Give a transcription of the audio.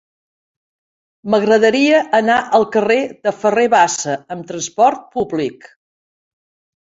M'agradaria anar al carrer de Ferrer Bassa amb trasport públic.